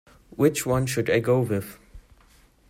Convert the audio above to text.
Which one should I go with?